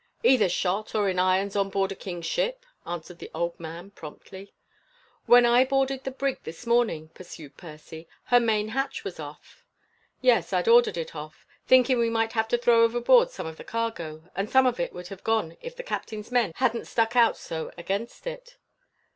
"Either shot, or in irons on board a king's ship," answered the old man promptly. "When I boarded the brig this morning," pursued Percy, "her main hatch was off." "Yes, I'd ordered it off, thinkin' we might have to throw overboard some of the cargo; and some of it would have gone if the captain's men hadn't stuck out so against it."